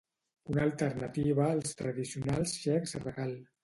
una alternativa als tradicionals xecs regal